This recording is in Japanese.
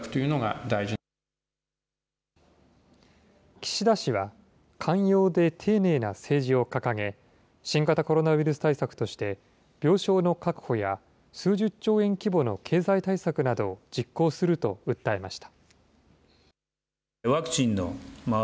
岸田氏は、寛容で丁寧な政治を掲げ、新型コロナウイルス対策として、病床の確保や数十兆円規模の経済対策などを実行すると訴えました。